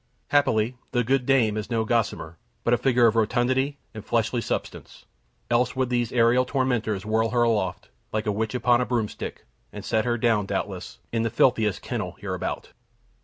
Happily, the good dame is no gossamer, but a figure of rotundity and fleshly substance; else would these aerial tormentors whirl her aloft, like a witch upon a broomstick, and set her down, doubtless, in the filthiest kennel hereabout.